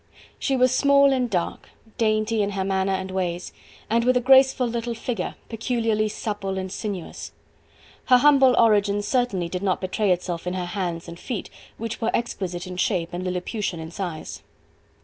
She was small and dark, dainty in her manner and ways, and with a graceful little figure, peculiarly supple and sinuous. Her humble origin certainly did not betray itself in her hands and feet, which were exquisite in shape and lilliputian in size.